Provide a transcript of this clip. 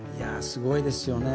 すごいですよね。